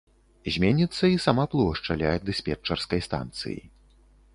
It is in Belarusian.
Зменіцца і сама плошча ля дыспетчарскай станцыі.